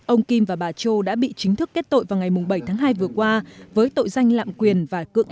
ông kim và bà châu đã bị chính thức kết tội vào ngày bảy tháng hai vừa qua với tội danh lạm quyền và cưỡng